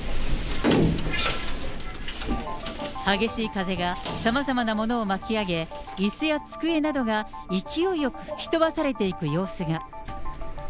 激しい風が、さまざまなものを巻き上げ、いすや机などが勢いよく吹き飛ばされていく様子が。